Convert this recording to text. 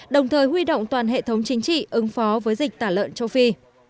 đồng thời huy động toàn hệ thống chính trị ứng phó với dịch tả lợn châu phi